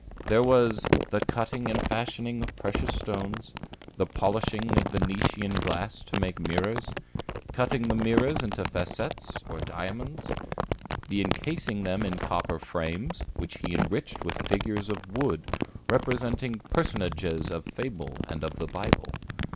There was "the cutting and fashioning of precious stones; the polishing of Venetian glass to make mirrors; cutting the mirrors into facettes or diamonds; the encasing them in copper frames, which he enriched with figures of wood representing personages of fable and of the Bible."